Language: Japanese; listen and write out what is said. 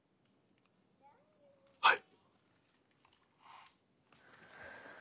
はい。